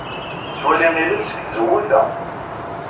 Nettwali ilel seg tzewwut-a.